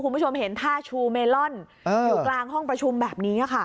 คุณผู้ชมเห็นท่าชูเมลอนอยู่กลางห้องประชุมแบบนี้ค่ะ